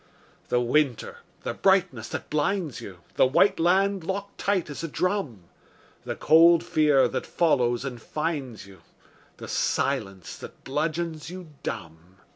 The winter! the brightness that blinds you, The white land locked tight as a drum, The cold fear that follows and finds you, The silence that bludgeons you dumb.